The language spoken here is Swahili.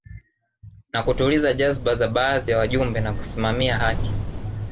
Na kutuliza jazba za baadhi ya wajumbe na kusimamia haki